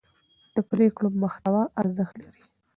د پرېکړو محتوا ارزښت لري